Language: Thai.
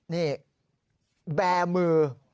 นี่แบร์มือ